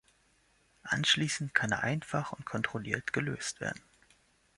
Anschließend kann er einfach und kontrolliert gelöst werden.